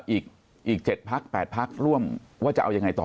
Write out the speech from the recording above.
อีก๗พักแปดที่ต้องล่มว่าจะเอายังไงต่อ